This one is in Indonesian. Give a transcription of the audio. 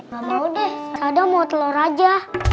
gak mau deh kadang mau telur aja